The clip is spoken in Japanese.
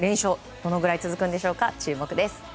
どのぐらい続くんでしょうか注目です。